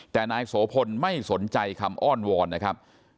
แต่นายโสพลไม่สนใจคำอ้อนวอนนะครับ